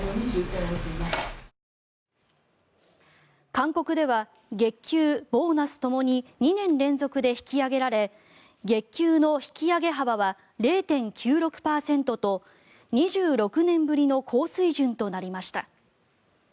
勧告では月給・ボーナスともに２年連続で引き上げられ月給の引き上げ幅は０．９６％と２６年ぶりの高水準となりました。